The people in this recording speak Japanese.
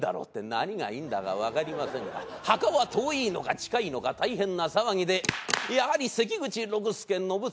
って何がいいんだかわかりませんが墓は遠いのか近いのか大変な騒ぎでやはり関口六助信連